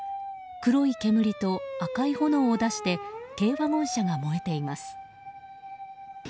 黒い煙と赤い炎を出して軽ワゴン車が燃えています。